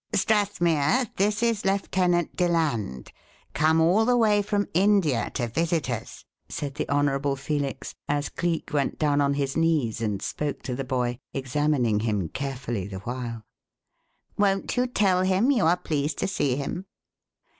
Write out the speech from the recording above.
"Strathmere, this is Lieutenant Deland, come all the way from India to visit us," said the Honourable Felix, as Cleek went down on his knees and spoke to the boy (examining him carefully the while). "Won't you tell him you are pleased to see him?"